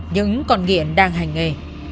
những con nghiện đang hành nghề